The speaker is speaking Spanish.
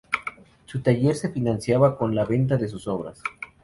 Su taller se financiaba con la venta de sus obras.